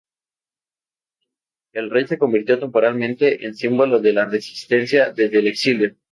El rey se convirtió temporalmente en símbolo de la resistencia desde el exilio.